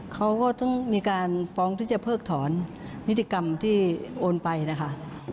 เขาก็ต้องมีการฟ้องที่จะเพิกถอนนิติกรรมที่โอนไปนะคะ